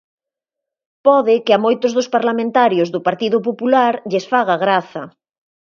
Pode que a moitos dos parlamentarios do Partido Popular lles faga graza.